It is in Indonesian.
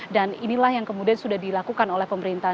dan inilah yang kemudian sudah dilakukan oleh pemerintahan